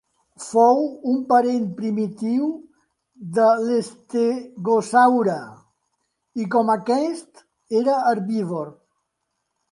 Fou un parent primitiu de l'estegosaure i, com aquest, era herbívor.